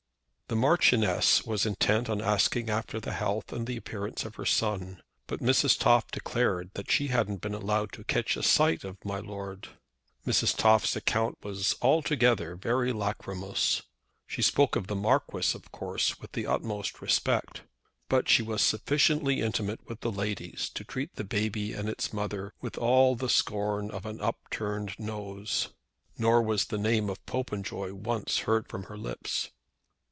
The Marchioness was intent on asking after the health and appearance of her son, but Mrs. Toff declared that she hadn't been allowed to catch a sight of "my lord." Mrs. Toff's account was altogether very lachrymose. She spoke of the Marquis, of course, with the utmost respect. But she was sufficiently intimate with the ladies to treat the baby and its mother with all the scorn of an upturned nose. Nor was the name of Popenjoy once heard from her lips.